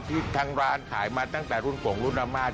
ที่ทางร้านขายมาตั้งแต่รุ่นโป่งรุ่นอามาศ